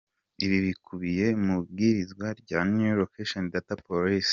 Ibi bikubiye mu ibwiriza rya new location data policy.